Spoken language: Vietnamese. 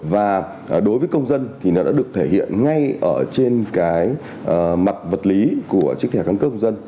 và đối với công dân thì nó đã được thể hiện ngay ở trên cái mặt vật lý của chiếc thẻ căn cước công dân